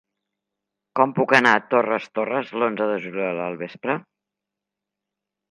Com puc anar a Torres Torres l'onze de juliol al vespre?